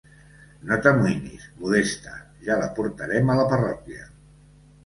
No t'amoïnis, Modesta, ja la portarem a la parròquia.